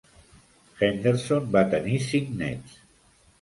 Henderson va tenir cinc nets.